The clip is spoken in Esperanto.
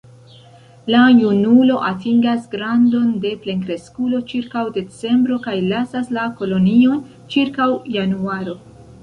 La junulo atingas grandon de plenkreskulo ĉirkaŭ decembro kaj lasas la kolonion ĉirkaŭ januaro.